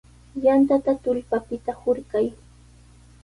Yantata tullpapita hurqay.